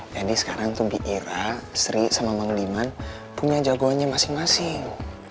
jadi sekarang tuh biira sri sama mang dimang punya jagoannya masing masing